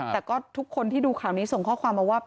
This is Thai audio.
แต่ก็ทุกคนที่ดูข่าวนี้ส่งข้อความมาว่า